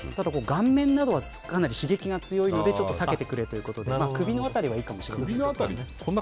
顔面などはかなり刺激が強いので避けてくれということで首の辺りはいいかもしれませんね。